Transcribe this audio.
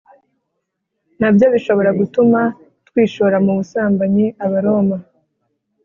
na byo bishobora gutuma twishora mu busambanyi Abaroma